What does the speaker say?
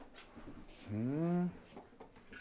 ふん！